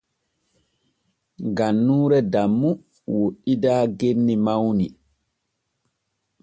Gannuure Dammu woɗɗidaa genni mawni.